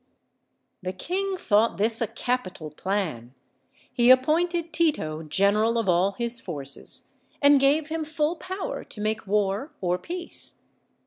The king thought this a capital plan. He appointed Tito general of all his forces, and gave him full power to make war or peace.